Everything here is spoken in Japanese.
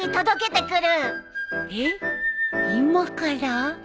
えっ今から？